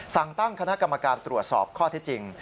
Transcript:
สั่งตั้งคณะกรรมการตรวจสอบข้อที่จริง